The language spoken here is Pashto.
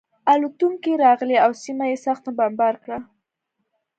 الوتکې راغلې او سیمه یې سخته بمبار کړه